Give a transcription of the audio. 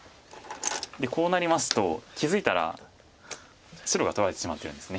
こうなりますと気付いたら白が取られてしまってるんです。